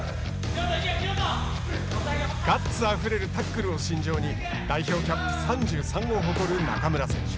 ガッツあふれるタックルを身上に代表キャップ数３３を誇る中村選手。